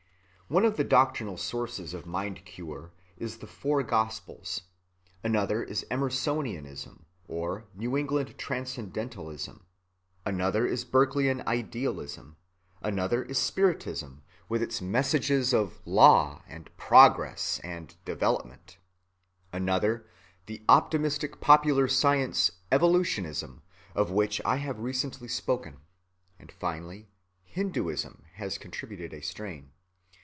One of the doctrinal sources of Mind‐cure is the four Gospels; another is Emersonianism or New England transcendentalism; another is Berkeleyan idealism; another is spiritism, with its messages of "law" and "progress" and "development"; another the optimistic popular science evolutionism of which I have recently spoken; and, finally, Hinduism has contributed a strain.